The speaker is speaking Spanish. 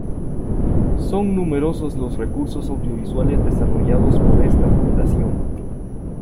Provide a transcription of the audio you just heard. Son numerosos los recursos audiovisuales desarrollados por esta fundación.